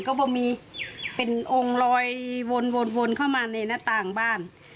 ก็พอมีเป็นองค์ลอยวนเข้ามาในหน้าต่างบ้าน